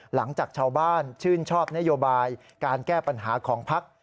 หลังจากชาวบ้านชื่นชอบนโยบายการแก้ปัญหาของพัก